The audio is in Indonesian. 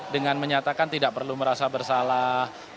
dengan menyatakan tidak perlu merasa bersalah